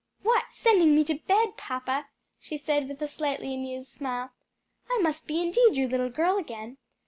"What, sending me to bed, papa!" she said with a slightly amused smile. "I must be indeed your little girl again.